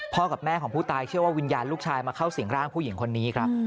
กับแม่ของผู้ตายเชื่อว่าวิญญาณลูกชายมาเข้าสิ่งร่างผู้หญิงคนนี้ครับ